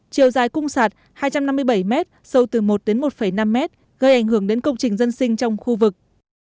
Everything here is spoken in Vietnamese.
chiều dài cung sạt hai trăm năm mươi bảy m sâu từ một đến một năm mét gây ảnh hưởng đến công trình dân sinh trong khu vực